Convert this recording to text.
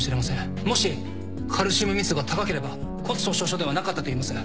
もしカルシウム密度が高ければ骨粗しょう症ではなかったといえます。